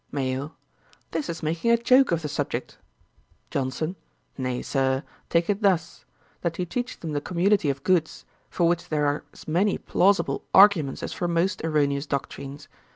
MAYO. 'This is making a joke of the subject.' JOHNSON.' 'Nay, Sir, take it thus: that you teach them the community of goods; for which there are as many plausible arguments as for most erroneous doctrines.